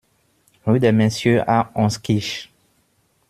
Rue des Messieurs à Honskirch